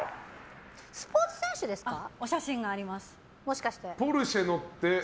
スポーツ選手ですかね。